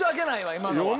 今のは。